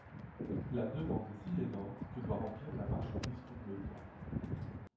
La demande est si énorme que doit remplir la marchandise tout le temps.